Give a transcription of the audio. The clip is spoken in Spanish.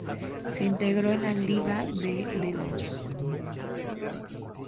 Se integró en la Liga de Delos.